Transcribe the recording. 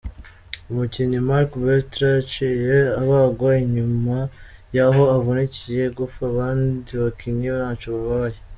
Umukinyi Marc Bartra yaciye abagwa inyuma yaho avunikiye igufa, abandi bakinyi ntaco babaye.